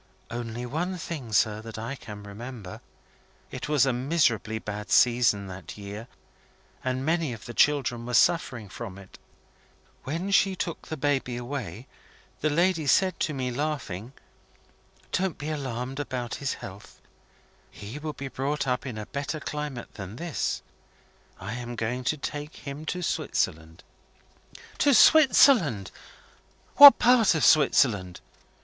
"Only one thing, sir, that I can remember. It was a miserably bad season, that year; and many of the children were suffering from it. When she took the baby away, the lady said to me, laughing, 'Don't be alarmed about his health. He will be brought up in a better climate than this I am going to take him to Switzerland.'" "To Switzerland? What part of Switzerland?"